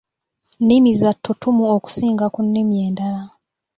Nnimi za ttutumu okusinga ku nnimi endala.